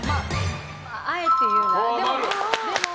あえて言うなら。